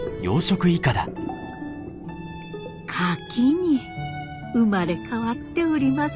カキに生まれ変わっております。